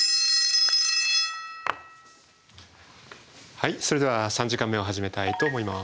はいそれでは３時間目を始めたいと思います。